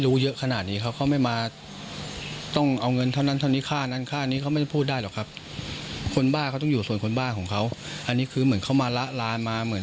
เดือดร้อนยังไงบ้างครับ